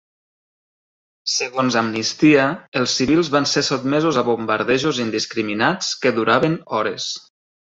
Segons Amnistia, els civils van ser sotmesos a bombardejos indiscriminats que duraven hores.